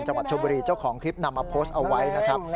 จังหวัดชมบุรีเจ้าของคลิปนำมาโพสต์เอาไว้นะครับ